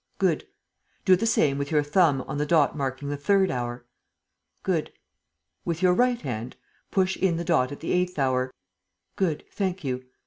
Good. Do the same with your thumb on the dot marking the third hour. Good. With your right hand, push in the dot at the eighth hour. Good. Thank you.